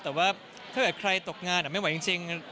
แต่ว่าถ้าเกิดใครตกงานไม่ไหวจริง